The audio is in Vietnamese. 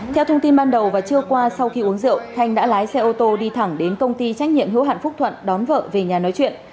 theo thông tin ban đầu và trưa qua sau khi uống rượu thanh đã lái xe ô tô đi thẳng đến công ty trách nhiệm hữu hạn phúc thuận đón vợ về nhà nói chuyện